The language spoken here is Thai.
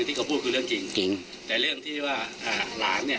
ที่เขาพูดคือเรื่องจริงจริงแต่เรื่องที่ว่าอ่าหลานเนี่ย